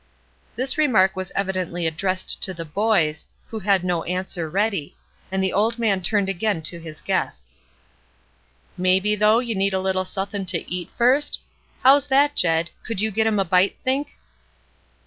This remark was evidently addressed to the "boys," who had no answer ready; and the old man turned again to his guests. 174 ESTER RIED'S NAMESAKE "Maybe, though, you need a little suthin' to eat first? How's that, Jed? Could you get 'em a bite, think?"